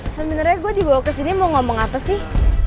seminernya gue dibawa kesini mau ngomong apa sih